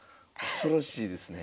恐ろしいですね。